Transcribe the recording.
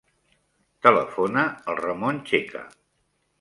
Telefona al Ramon Checa.